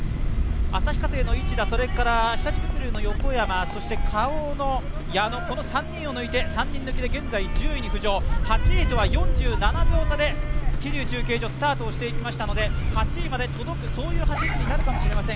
旭化成の市田、それから日立物流の横山、Ｋａｏの矢野の３人を抜いて８位に浮上８位とは４７秒差で桐生中継所スタートしていきましたので、８位まで届く、そういう走りになるかもしれません。